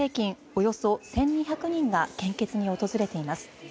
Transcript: およそ１２００人が献血に訪れています。